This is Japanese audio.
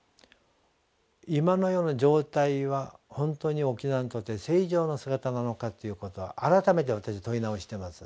今のような状態は本当に沖縄にとって正常な姿なのかということを改めて私問い直してます。